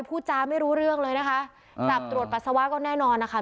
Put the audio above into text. พูดจาไม่รู้เรื่องเลยนะคะจับตรวจปัสสาวะก็แน่นอนนะคะ